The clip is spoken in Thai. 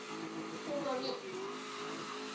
อูรามิ !